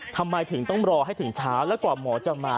ทำไมถึงต้องรอให้ถึงเช้าแล้วกว่าหมอจะมา